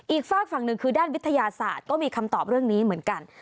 ฝากฝั่งหนึ่งคือด้านวิทยาศาสตร์ก็มีคำตอบเรื่องนี้เหมือนกัน